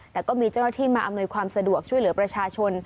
แต่ก็มีเจ้าหน้าที่มาอำนวยความสะดวกช่วยเหลือประชาชน